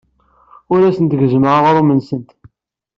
Ur asent-gezzmeɣ aɣrum-nsent.